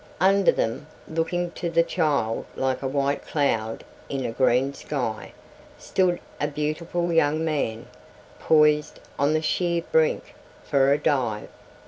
Under them, looking to the child like a white cloud in a green sky, stood a beautiful young man, poised on the sheer brink for a dive.